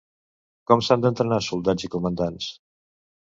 Com s'han d'entrenar soldats i comandants?